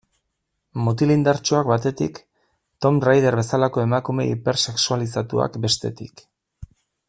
Mutil indartsuak batetik, Tomb Raider bezalako emakume hipersexualizatuak bestetik.